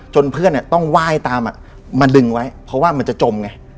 เพื่อนต้องไหว้ตามมาดึงไว้เพราะว่ามันจะจมไง